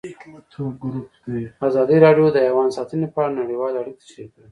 ازادي راډیو د حیوان ساتنه په اړه نړیوالې اړیکې تشریح کړي.